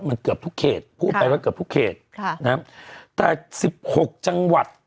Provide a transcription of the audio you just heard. มันเกือบทุกเขตพูดไปว่าเกือบทุกเขตค่ะนะฮะแต่สิบหกจังหวัด